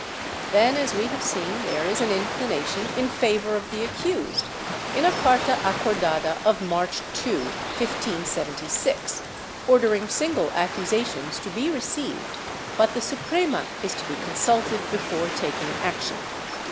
^ Then, as we have seen, there is an inclination in favor of the accused, in a carta acordada of ]\Iarch 2, 1576, ordering single accusations to be received, but the Suprema is to be consulted before taking action.